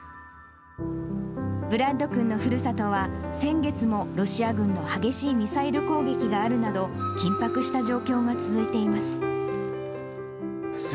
ブラッド君のふるさとは、先月もロシア軍の激しいミサイル攻撃があるなど、緊迫した状況が続いています。